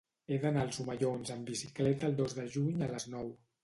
He d'anar als Omellons amb bicicleta el dos de juny a les nou.